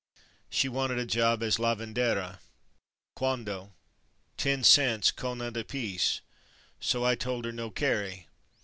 She wanted a job as lavandera. Cuanto? Ten cents, conant, a piece, so I told her no kerry.